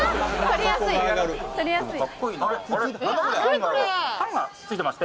取りやすい。